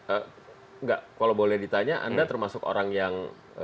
enggak kalau boleh ditanya anda termasuk orang yang